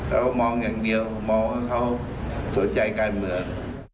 เรามองอย่างเดียวมองว่าเขาสนใจการเมือง